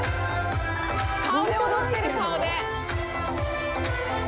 顔で踊ってる、顔で！